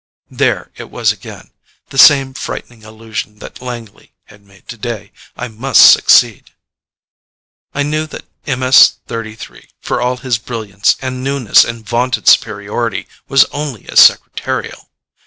There it was again. The same frightening allusion that Langley had made today. I must succeed! I knew that MS 33, for all his brilliance, and newness, and vaunted superiority, was only a Secretarial.